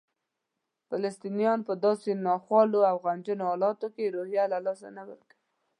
فلسطینیان په داسې ناخوالو او غمجنو حالاتو کې روحیه له لاسه نه ورکوي.